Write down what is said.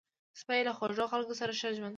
سپي له خوږو خلکو سره ښه ژوند کوي.